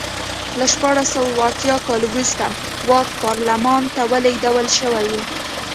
له شپاړس سوه اته اتیا کال وروسته واک پارلمان ته لېږدول شوی و.